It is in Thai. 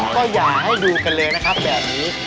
ก็อย่าให้ดูกันเลยนะครับแบบนี้